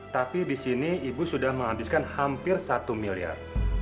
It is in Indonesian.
tapi di sini ibu sudah menghabiskan hampir satu miliar